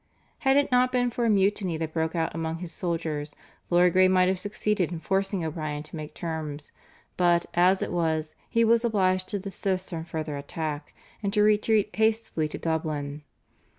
Had it not been for a mutiny that broke out among his soldiers Lord Grey might have succeeded in forcing O'Brien to make terms, but, as it was, he was obliged to desist from further attack and to retreat hastily to Dublin.